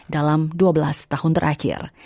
dalam dua belas tahun terakhir